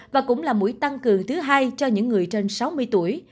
và cũng là mũi tăng cường thứ hai cho những người trên sáu mươi tuổi